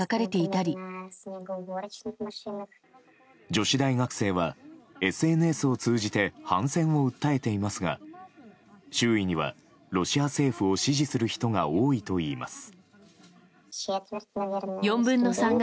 女子大学生はＳＮＳを通じて反戦を訴えていますが周囲にはロシア政府を支持する人が多いといいます。